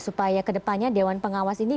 supaya kedepannya dewan pengawas ini